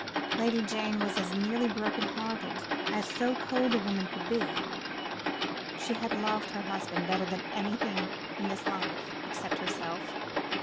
Lady Jane was as nearly broken hearted as so cold a woman could be. She had loved her husband better than anything in this life, except herself.